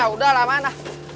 ah udah lah mana